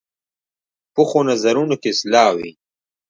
پخو نظرونو کې اصلاح وي